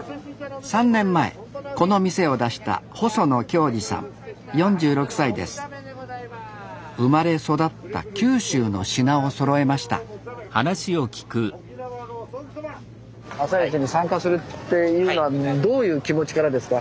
３年前この店を出した生まれ育った九州の品をそろえました朝市に参加するっていうのはどういう気持ちからですか？